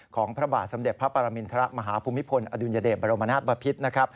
ของพระบาทสำเด็จพระปรมินทรมาฮาภูมิพลอดุลยเดชบรมณาปภิษฐ์